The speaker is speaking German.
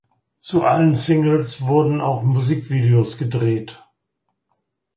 Zu allen Singles wurden auch Musikvideos gedreht.